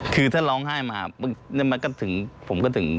คือถ้าร้องไห้มาผมก็ถึงเจ็บใจตัวเอง